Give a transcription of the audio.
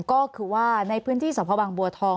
ก็คือว่าในพื้นที่สมพวังบัวทอง